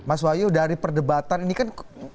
mas wahyu dari perdebatan ini kan